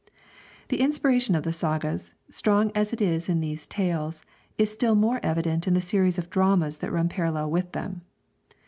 The inspiration of the sagas, strong as it is in these tales, is still more evident in the series of dramas that run parallel with them.